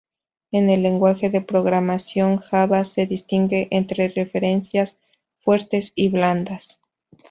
En el lenguaje de programación Java se distingue entre referencias "fuertes" y "blandas".